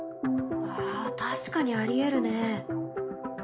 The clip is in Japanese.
あ確かにありえるね。